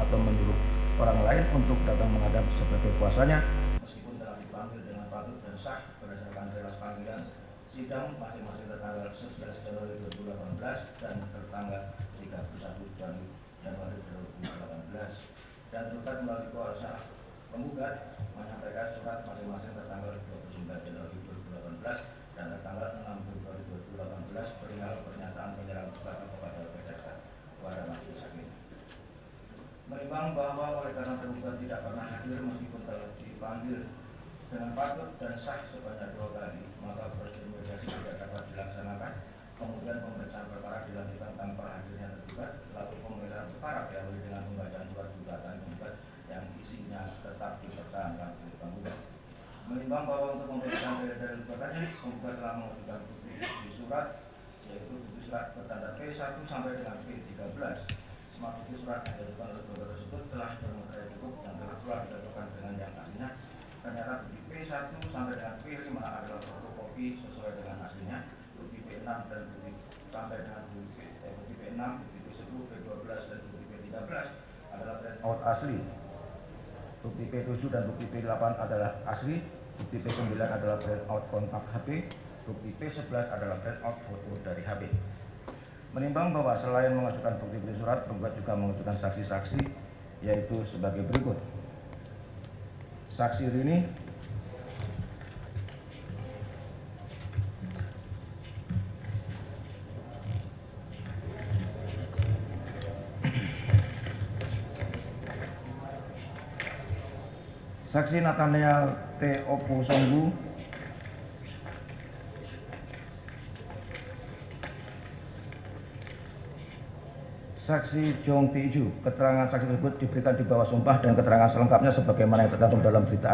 penggugat adalah bapak yang bertanggung jawab serta mengimitasi sayang dan setelah menjalankan masa tahanan di makhluk rumah penggugat akan selalu menerjakan waktu yang cukup untuk membesarkan anak anak tersebut